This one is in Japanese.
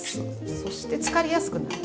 そして漬かりやすくなるかな。